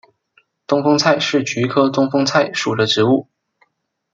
东风菜是菊科东风菜属的植物。